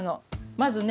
まずね